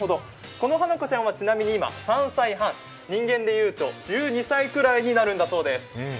この花子ちゃんは３歳半、人間でいうと１２歳ぐらいになるんだそうです。